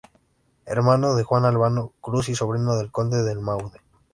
Hermano de Juan Albano Cruz y sobrino del conde del maule.